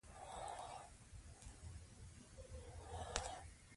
هغې وموندله چې راډیوم ناروغ حجرې ژر له منځه وړي.